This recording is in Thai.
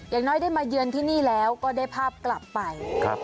อย่างน้อยได้มาเยือนที่นี่แล้วก็ได้ภาพกลับไป